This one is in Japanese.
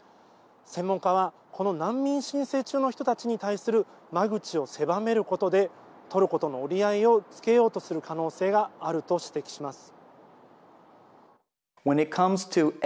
専門家は、この難民申請中の人たちに対する間口を狭めることでトルコとの折り合いをつけようとする可能性があると指摘します。